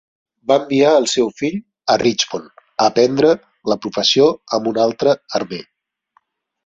Va enviar el seu fill a Richmond a aprendre la professió amb un altre armer.